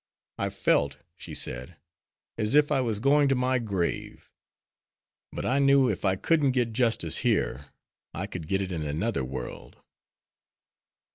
'I felt,' she said, 'as if I was going to my grave. But I knew if I couldn't get justice here, I could get it in another world.'"